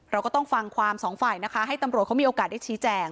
เราก็ต้องฟังความสองฝ่ายนะคะให้ตำรวจเขามีโอกาสได้ชี้แจง